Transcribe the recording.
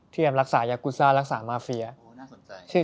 ที่รักษายากูซ่ารักษามาฟเฟียร์